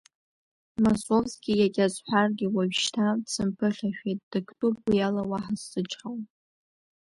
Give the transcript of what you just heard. Масовски иагьа сҳәаргьы уажәшьҭа дсымԥыхьашәеит, дыктәуп уи ала, уаҳа сзычҳауам.